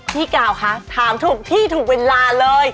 พี่กาวคะถามถูกที่ถูกเวลาเลย